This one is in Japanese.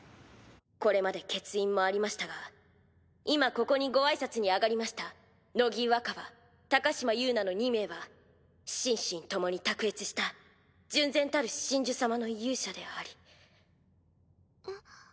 これまで欠員もありましたが今ここにご挨拶に上がりました乃木若葉高嶋友奈の２名は心身ともに卓越した純然たる神樹様の勇者であり。